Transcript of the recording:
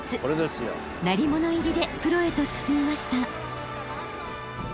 鳴り物入りでプロへと進みました。